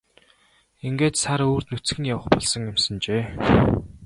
Ингээд сар үүрд нүцгэн явах болсон юмсанжээ.